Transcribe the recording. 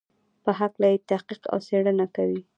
په هکله یې تحقیق او څېړنه کوي.